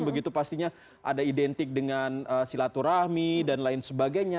begitu pastinya ada identik dengan silaturahmi dan lain sebagainya